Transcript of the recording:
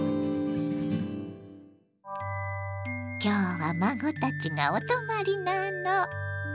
今日は孫たちがお泊まりなの。